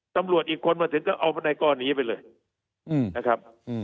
ตำรวจอีกคนมาถึงก็เอาในกล้อนีไปเลยอืมนะครับอืม